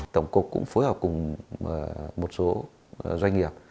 tổng cục cũng phối hợp cùng một số doanh nghiệp